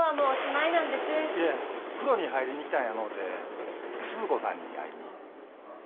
いえ風呂に入りに来たんやのうてスズ子さんに会いに。